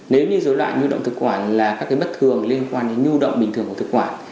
nếu như dối loạn nhu động thực quản là các bất thường liên quan đến nhu động bình thường của thực quản